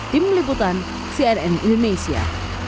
tim liputan cnn indonesia